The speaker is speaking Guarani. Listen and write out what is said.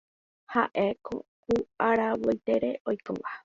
Ha'éko ku aravoitére oikóva.